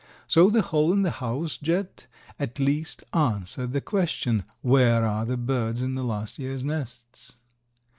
So the hole in the house jet at least answered the question, "Where are the birds in last year's nests?"